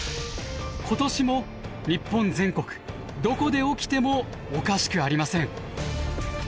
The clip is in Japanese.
今年も日本全国どこで起きてもおかしくありません。